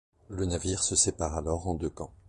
Le navire se sépare alors en deux camps.